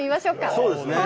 そうですね。